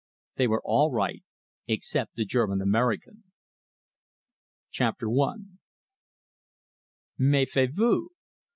They were all right except the German American. CHAPTER I Mefiez Vous!